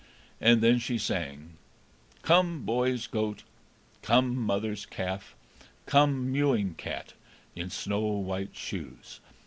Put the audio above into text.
And then she sang: "Come, boy's goat, Come, mother's calf, Come, mewing cat In snow white shoes.